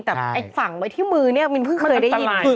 แต่ไอ้ฝั่งไว้ที่มือเนี่ยมินเพิ่งเคยได้ยิน